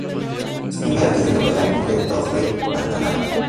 Su primera telenovela como director fue "Pantanal".